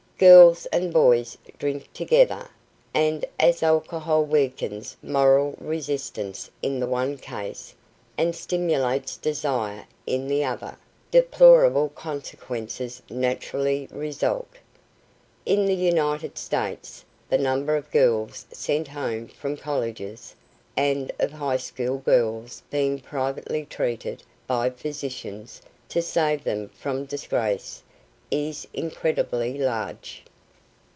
Girls and boys drink together, and as alcohol weakens moral resistance in the one case, and stimulates desire in the other, deplorable consequences naturally result. In the United States the number of girls "sent home" from colleges, and of high school girls being privately treated by physicians to save them from disgrace, is incredibly large.